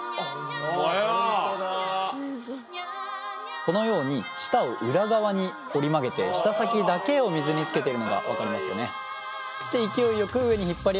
このように舌を裏側に折り曲げて舌先だけを水につけてるのが分かりますよね。